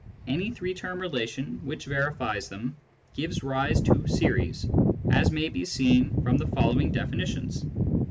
Any three term relation which verifies them gives rise to series, as may be seen from the following definitions.